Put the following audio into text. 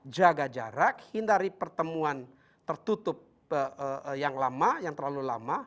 jaga jarak hindari pertemuan tertutup yang lalu